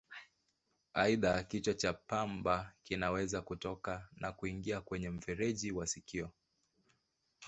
Aidha, kichwa cha pamba kinaweza kutoka na kuingia kwenye mfereji wa sikio.